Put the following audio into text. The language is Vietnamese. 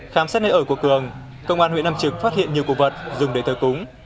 khám xét nơi ở của cường công an huyện nam trực phát hiện nhiều cổ vật dùng để thờ cúng